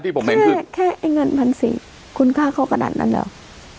อันที่ผมเองคนแค่ก็แค่ไอเงินพันสี่คุณค่าเขากระดันแล้ว